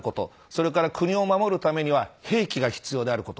それから国を守るためには兵器が必要であること。